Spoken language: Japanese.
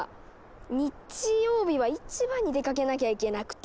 日曜日は市場に出かけなきゃいけなくて。